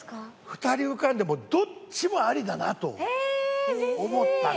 ２人浮かんでどっちもありだなと思ったんですよ。